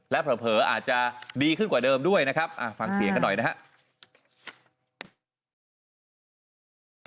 และเผลออาจจะดีขึ้นกว่าเดิมด้วยนะครับฟังเสียงกันหน่อยนะครับ